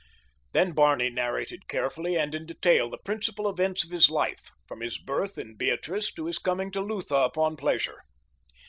Then Barney narrated carefully and in detail the principal events of his life, from his birth in Beatrice to his coming to Lutha upon pleasure.